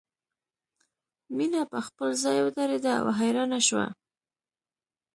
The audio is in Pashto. مینه په خپل ځای ودریده او حیرانه شوه